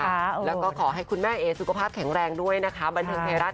แล้วก็ขอให้คุณแม่เอสุขภาพแข็งแรงด้วยนะคะ